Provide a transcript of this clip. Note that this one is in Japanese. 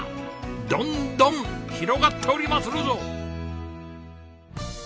どんどん広がっておりまするぞ。